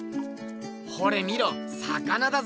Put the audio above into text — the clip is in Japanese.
ほれみろ魚だぞ。